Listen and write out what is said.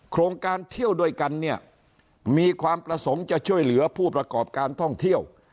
โครงการเที่ยวด้วยกันเนี่ยมีความประสงค์จะช่วยเหลือผู้ประกอบการท่องเที่ยว